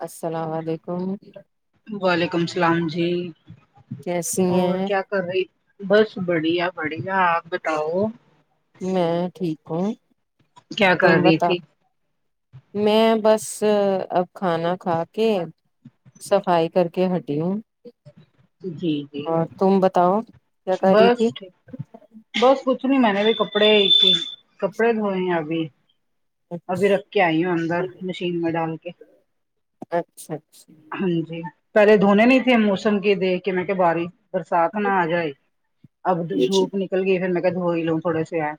اسلام وعلیکم وعلیکم سلام جی کیسی اور ہیں کیا کر رہی بس بڑھیا بڑھیا آپ بتاؤ میں ٹھیک ہوں کیا تم کر رہی بتاو تھی میں بس اب کھانا کھا کے صفائی کر کے ہٹی ہوں جی جی اور تم بتاؤ کیا کر رہی بس تھی ٹھیک بس کچھ نہیں میں نے بھی کپڑے کپڑے دھوئے ہیں ابھی ابھی رکھ کے آئی ہوں اندر مشین میں ڈال کے اچھا اچھا ہاں جی پہلے دھونے نہیں تھے موسم کے دیکھ کے میں کہ بارش برسات نہ آ جائے اب دھوپ نکل گئی پھر میں کیا دہو ہی لؤں تھوڑے سے ہے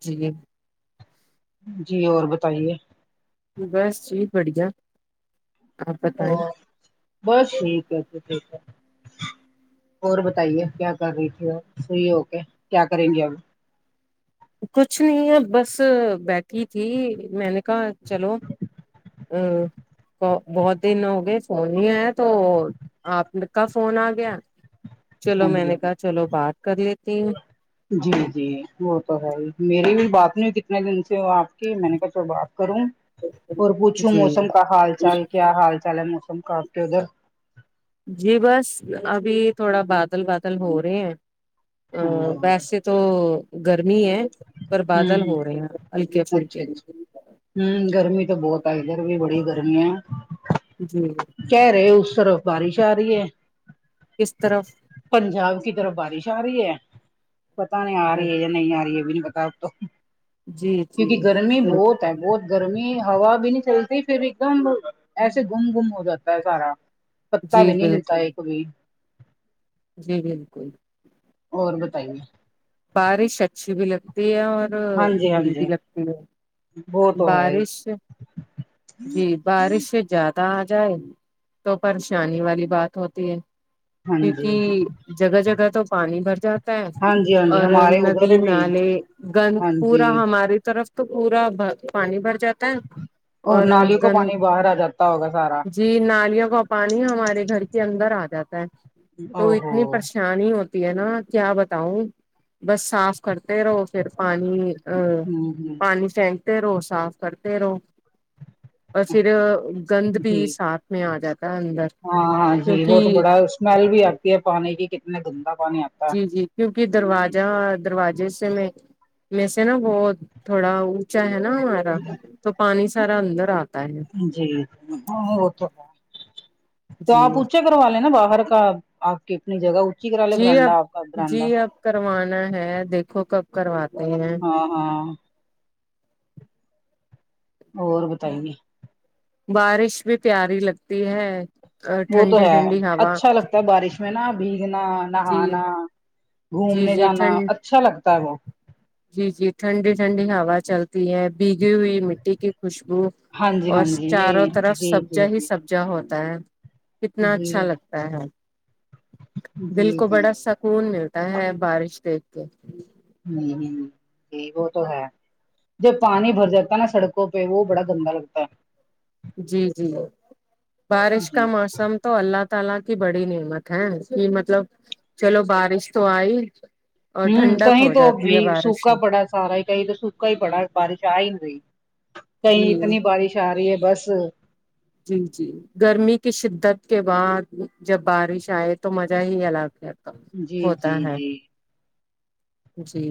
جی جی اور بتائیے بس سبھی بڑھیا آپ بتائیں اور بس ٹھیک ہے پھر ٹھیک ہے اور بتائیے کیا کر رہی تھی اور صحیح ہو کیا کیا کریں گے اب کچھ نہیں ہے اب بس بیٹھی تھی میں نے کہا چلو آ بہت دن ہو گئے فون نہیں آیا تو آپ لوگ کا فون آ گیا چلو ہاں میں جی نے کہا چلو بات کر لیتی ہوں جی جی وہ تو ہے ہی میری بھی بات نہیں ہوئی کتنے دن سے وہ آپ کی میں نے کہا چلو بات کروں اور پوچھوں جی موسم کا حال چال کیا حال چال ہے موسم کا آپ کے ادھر جی بس ابھی تھوڑا بادل بادل ہو رہے ہیں ہاں آں جی ہاں جی ویسے تو گرمی ہے پر بادل ہوں ہو رہے ہیں ہلکے اچھا پھلکے اچھا ہوں گرمی تو بہت ہے ادھر بھی بڑی گرمی ہے جی کہہ رہے اس طرف بارش آ رہی ہے کس طرف پنجاب کی طرف بارش آ رہی ہے پتا نہیں آ رہی ہے یا نہیں آ رہی ہے بھی نہیں پتا [unintelligible] جی جی کیونکہ گرمی بال بہت ہے بہت گرمی ہوا بھی نہیں چلتی پھر ایک دم ایسے گم گم ہو جاتا ہے سارا پتا بھی جی نہیں ہلتا بالکل ہے کبھی جی بالکل اور بتائیے بارش اچھی بھی لگتی ہے اور ہاں [unintelligible] جی ہاں بری بھی جی لگتی وہ ہے تو ہے ہی بارش جی بارش سے زیادہ آ جائے تو پریشانی والی بات ہوتی ہے ہاں جی کیونکہ ہاں جگہ جگہ تو پانی بھر جاتا ہے جی ہاں جی اور ہمارے ندی ادھر بھی نالے گند ہاں جی پورا ہماری طرف تو پورا پانی بھر جاتا ہے اور نالیوں کو پانی باہر آ جاتا ہوگا سارا جی نالیوں کا پانی ہمارے گھر کے اندر آ جاتا ہے او تو ہو اتنی پرش شانی ہوتی ہے نا کیا بتاؤں بس صاف کرتے رہو پھر پانی ہوں ہ پانی پھیک تے رہو صاف کرتے رہو اور پھر گند بھی جی ساتھ میں آ جاتا ہے اندر ہاں ہاں جی وہ تو کیونکہ بڑا اسمیل بھی آتی ہے پانی کی کتنے گندا پانی آ جی جی کیونکہ درواجہ دروازے سے میں میں سے نا بہت تھوڑا اونچا ہے نا ہمارا تو پانی سارا اندر آتا ہے جی وہ تو تو جی آپ پوچھو کروا لے نا باہر کا آپ کی اپنی جگہ اونچی کرا لے جی برانڈا اب آپ کا جی برانڈا اب کروانا ہے دیکھو کب کرواتے ہیں ہاں ہاں اور بتائیے بارش بھی پیاری لگتی ہے وہ تو ٹھنڈی ہے ٹھنڈی ہوا اچھا لگتا ہے بارش میں نا بھیگنا، جی نہانا جی گھومنے جی جانا ٹھنڈ اچھا لگتا ہے وہ جی جی ٹھنڈی ٹھنڈی ہوا چلتی ہے بھیگی ہوئی مٹی کی خوشبو ہاں جی اور ہاں س جی چاروں یہ طرف جی سبجا جی ہی جی سب جا ہوتا ہے کتنا اچھا جی لگتا ہے دل جی کو جی بڑا سک خون ملتا ہے بارش دیکھ کے ہ ہ جی وہ تو ہے جب پانی بھر جاتا ہے نا سڑکوں پہ وہ بڑا گندا لگتا ہے جی جی بارش کا جی موسم تو اللہ تعالی کی بڑی نعمت ہے کہ مطلب چلو بارش تو آئی اور ہوں ٹھنڈک کہیں ہو تو ا جاتی بھی ہے بارش سوکھا میں پڑا سارا ہی کہیں تو سوکھا ہی پڑا بارش آ ہی نہیں رہی کہیں جی اتنی بارش آ رہی ہے بس جی جی گرمی کی شدت کے بعد جب بارش آئے تو مزہ ہی الگ ہے جی ہوتا جی ہے جی جی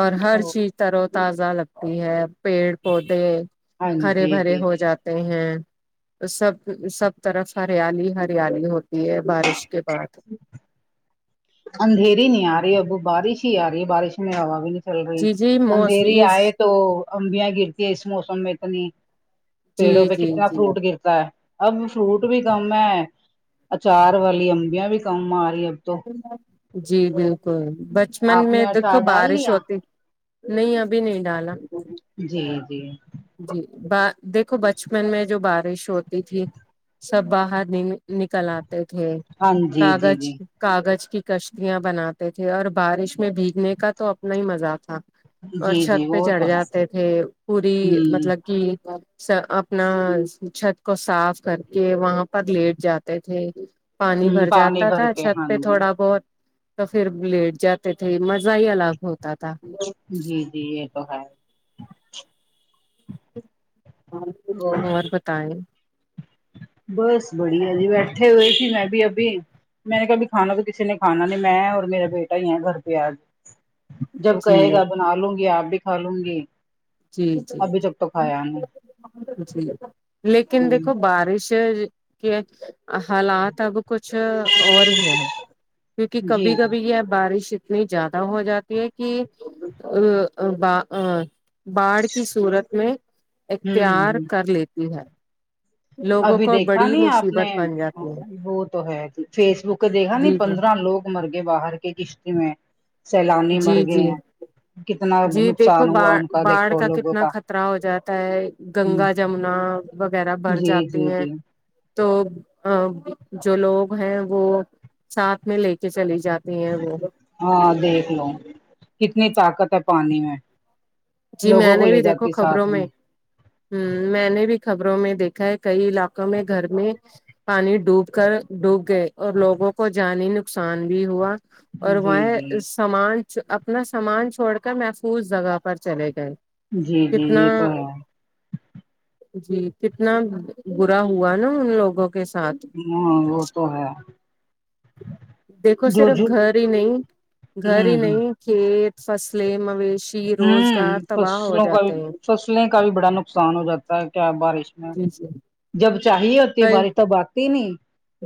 اور ہر او چیز تر و تازہ لگتی ہے پیڑ پودے ہاں ہرے جی بھرے جی ہو جی جاتے ہیں سب سب طرف ہریالی ہریالی ہوتی ہے بارش کے بعد اندھیری نہیں آ رہی اب بارش ہی آ رہی ہے بارش میں ہوا بھی نہیں چل رہی جی جی موس اندھیری یہ آئے تو امبیاں گرتی ہے اس موسم میں اتنی جی پیڑوں پہ جی کتنا جی فروٹ گرتا ہے اب فروٹ بھی کم ہے اچار والی امبیاں بھی کم آ رہی ہے اب تو جی بالکل بچپن آپ نے میں اچار دیکھو ڈال بارش لیا ہوتی نہیں ابھی نہیں ڈالا جی جی جی ب دیکھو بچپن میں جو بارش ہوتی تھی سب باہر ن نکل آتے تھے ہاں جی جی کاغذ جی کاغذ کی کشتیاں بناتے تھے اور بارش میں بھیگنے کا تو اپنا ہی مزہ تھا اور جی جی چھت پہ وہ چڑھ تو ہے جاتے تھے پوری ہ مطلب کہ س اپنا چھت کو صاف کر کے وہاں پر لیٹ جاتے تھے پانی ہ بھر پانی جاتا بھر تھا کے چھت ہاں پہ جی تھوڑا بہت تو پھر بلیٹ جاتے تھے مزہ ہی الگ ہوتا تھا جی جی یہ تو ہے وہ اور بتائیں بس بڑھیا جی بیٹھے ہوئے تھی میں بھی ابھی میں نے کبھی کھانا تو کسی نے کھانا نہیں میں اور میرا بیٹا ہی ہیں گھر پہ آج جب جی کہے گا بنا لوں گی آپ بھی کھا لوں گی جی جی ابھی جی تک تو پھا یہ نئی جی لیکن دیکھو جی بارش کہ حالات اب کچھ اور ہی ہیں کیونکہ جی کبھی ہوں کبھی یہ ہے بارش اتنی زیادہ ہو جاتی ہے کہ ا باڑ کی صورت میں ہ اختیار ہ کر لیتی ہے لوگوں ابھی کو دیکھا بڑی نہیں آپ نے مصیبت بن جاتی ہے وہ تو ہے جی فیس بک دیکھا نئی جی جی پندرہ لوگ مرگے باہر کے کشتی میں سیلانی جی مرگے جی ہیں کتنا جی دیکھو نقصان ب ہوا ان باڑھ دیکھو کا تو لوگوں کتنا خطرہ ہو جاتا ہے ہ گنگا جمنا وغیرہ بھر جی جاتی جی ہیں جی تو جو لوگ ہیں وہ ساتھ میں لے کے چلی جاتے تی ہے مطلب ہاں دیکھ لو کتنی طاقت ہے پانی میں جی لوگوں میں نے کو لے بھی دیکھو جاتی خبروں ساتھ میں ہوں میں نے بھی خبروں میں دیکھا ہے کئی علاقوں میں گھر میں پانی ڈوب کر ڈوب گئے اور لوگوں کو جانی نقصان بھی ہوا اور جی جی وہیں سامان اپنا سامان چھوڑ کر محفوظ جگہ پر چلے گئے جی جی کتنا یہ تو ہے جی کتنا برا ہوا نا ان لوگوں کے ساتھ ہاں وہ تو ہے دیکھو جو صرف جو گھر ہی نہیں گھر ہوں ہی ہ نہیں کھیت فصلیں مویشی ہوں روزگار تباہ ہو فصلوں کا بھی جاتے ہیں فصلیں کا بھی بڑا نقصان ہو جاتا ہے کیا بارش جی جی جب چاہیے ہوتی ہے کئی بارش تب آتی نہیں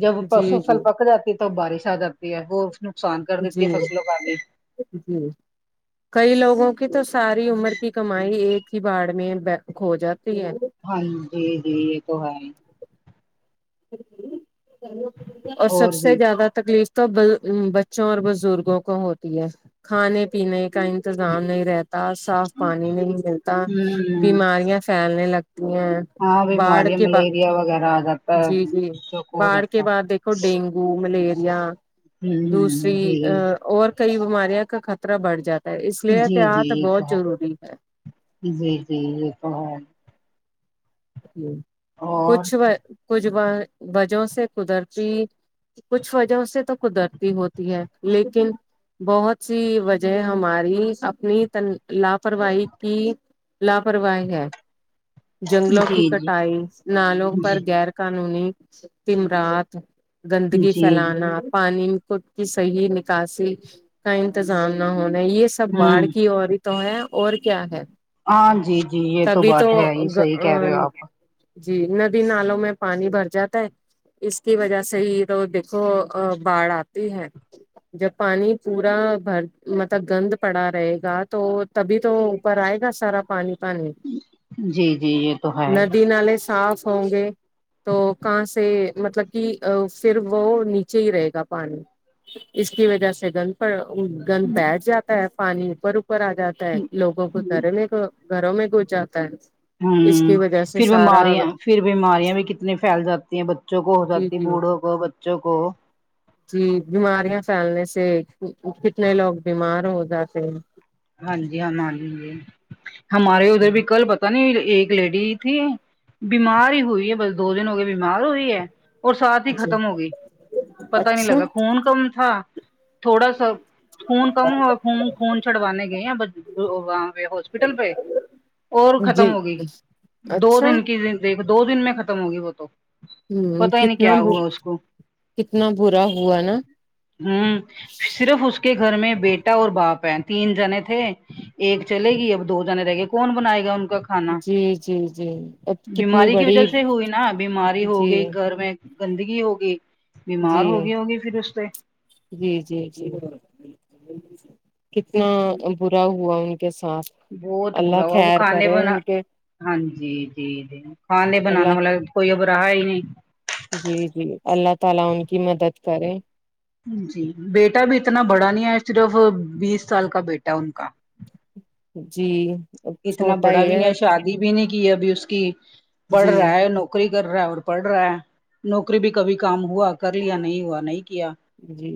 جب جی فصل جی پک جاتی تو بارش آ جاتی ہے وہ نقصان کر دیتی جی ہے فصلوں کا بھی جی کئی لوگوں کی تو ساری عمر کی کمائی ایک ہی باڑ میں کھو جاتی ہے ہاں جی جی یہ تو ہے ہی اور سب سے زیادہ تکلیف تب بچوں اور بزرگوں کو ہوتی ہے کھانے پینے کا ان انتظام نہیں رہتا صاف پانی نہیں ملتا ہوں بیماریاں پھیلنے لگتی تی ہے ہاں بیماریاں ملیریا وغیرہ آ جاتا ہے جی جی بچوں کو ہو باڑھ کے جاتا بعد دیکھو ڈینگو ملیریا ہ ہ دوسری ا جی اور کئی بیماریاں کا خطرہ بڑھ جاتا ہے اس لیے جی جی احتیاط یہ تو بہت ہے ضروری ہے جی جی یہ تو ہے ہ اور کچھ و کچھ و وجہوں سے قدرتی کچھ وجہوں سے تو قدرتی ہوتی ہے لیکن بہت سی وجہ ہیں ہماری اپنی تن لاپرواہی کی لاپرواہی ہے جی جنگلوں کی جی کٹائی نالوں پر جی غیر قانونی تمرات گندگی جی پھیلانا پانی کو کی صحیح نکاسی کا انتظام نہ ہونا یہ سب باڑھ ہوں کی اور تو ہے اور کیا ہے ہاں جی جی یہ تو تبھی بات ہے ہی صحیح کہہ رہے تو ہو آپ جی ندی نالوں میں پانی بھر جاتا ہے اس کی وجہ سے ہی تو دیکھو ا باڑھ آتی ہے جب پانی پورا بھر مطلب گند پڑا رہے گا تو تبھی تو اوپر آئے گا سارا پانی پانی جی جی یہ تو ہے ندی نالے صاف ہوں گے تو کہاں سے مطلب کہ ا پھر وہ نیچے ہی رہے گا پانی اس کی وجہ سے گند پر گند بیٹھ جاتا ہے پانی اوپر اوپر آ جاتا ہے لوگوں کو کرنے کو گھروں میں گھس جاتا ہے اس کی ہوں وجہ سے پھر سارا بیماریاں پھر بیماریاں بھی کتنی پھیل جاتی ہیں بچوں کو ہو جی جاتی جی بوڑھاؤ کو بچوں کو جی بیماریاں پھیلنے سے کتنے لوگ بیمار ہو جاتے ہیں ہاں جی ہمارے یہاں بھی ہمارے ادھر بھی کل پتہ نئی ایک لیڈی تھی بیمار ہی ہوئی ہے بس دو دن ہو گئے بیمار ہوئی ہے اور ساتھ ہی جی ختم ہو گئی پتا نہیں اچھا لگا خون کم تھا تھوڑا سا خون کم ہوا خون خون چڑوانے گئےہیں وہ وہاں پے ہوسپٹل پے اور ختم جی ہوگئی دو اچھا دن کی دیک دو دن میں ختم ہوگئی وہ تو ه پتا ہی نہیں کتنا کیا ہوا اس کو کتنا برا ہوا نا ہوں صرف اس کے گھر میں بیٹا اور باپ ہے تین جنے تھے ایک چلے گئی اب دو جنے رہ گئے کون بنائے گا ان کا کھانا جی جی جی اب کتنی بیماری کی بڑی وجہ سے ہوئی نا بیماری ہو جی گئی گھر میں گندگی ہوگئی بیمار جی ہوگئی ہوگی پھر اس سے جی جی جی کتنا برا ہوا ان کے ساتھ بہت اللہ برا ہو اب خیر کھانے کرے بنا ان کے ہاں جی جی جی کھانے بنانا اللہ والا کوئی اب راہا ہی نہیں جی جی اللہ تعالی ان کی مدد کرے جی بیٹا بھی اتنا بڑا نہیں ہے صرف بیس سال کا بیٹا ہے ان کا جی اب اتنا چھوٹا بڑا ہی بھی نہیں ہے شادی بھی نہیں کی ابھی اس کی پڑھ جی رہا ہے نوک کری کر رہا ہے اور پڑھ رہا ہے نوکری بھی کبھی کام ہوا کر لیا نہیں ہوا نہیں کیا جی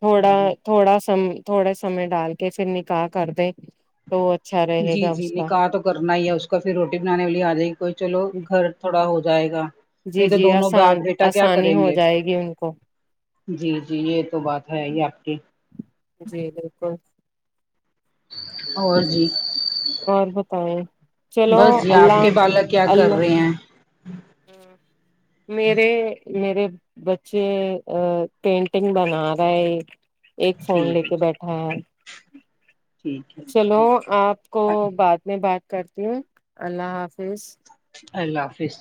تھوڑا تھوڑا سم تھوڑا سمے ڈال کے پھر نکاح کر دیں تو اچھا رہے جی گا جی اس کا نکاح تو کرنا ہی ہے اس کا کا پھر روٹی بنانے والی آجائے گی کوئی چلو گھر تھوڑا ہو جائے گا جی نہیں تو جی دونوں باپ آسان بیٹا کیا آسانی کریں ہو گے جائے گی ان کو جی جی یہ تو بات ہے یہ آپ کی جی بالکل اور جی اور بتائیں چلو بس جی آپ اللہ کے بالک کیا کر اللہ رہے ہیں میرے میرے بچے آ پینٹنگ بنا رہے یہ ایک فون ٹھیک لے ہے کے بیٹھا ہے ٹھیک ہے چلو ٹھیک آپ کو ہے بعد میں بات کرتی ہوں اللہ حافظ اللہ حافظ